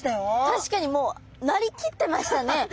確かにもうなりきってましたね！？